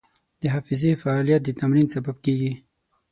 د حافظې فعالیت د تمرین سبب کېږي.